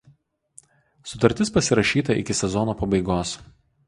Sutartis pasirašyta iki sezono pabaigos.